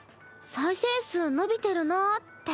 再生数伸びてるなぁって。